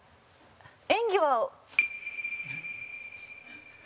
演技は。